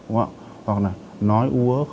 hoặc là nói úa